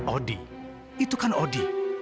odi itu kan odi